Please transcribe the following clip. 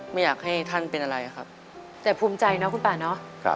ไม่อยากให้ท่านเป็นอะไรครับแต่ภูมิใจนะคุณป่าเนาะ